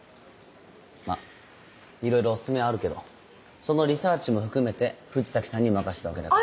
まっいろいろお薦めはあるけどそのリサーチも含めて藤崎さんに任せたわけだから。